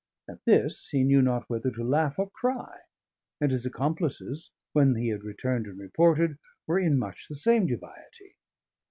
At this he knew not whether to laugh or cry; and his accomplices, when he had returned and reported, were in much the same dubiety.